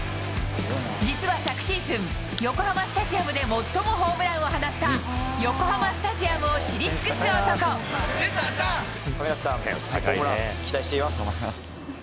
実は昨シーズン、横浜スタジアムで最もホームランを放った、横浜スタジアムを知り亀梨さん、ホームラン期待しています。